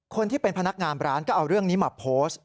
คนที่เป็นพนักงานร้านก็เอาเรื่องนี้มาโพสต์